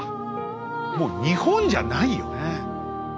もう日本じゃないよね。